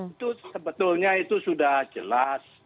itu sebetulnya itu sudah jelas